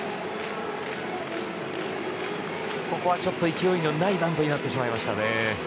ここは勢いのないバントになってしまいました。